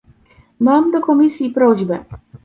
Mam do Komisji prośbę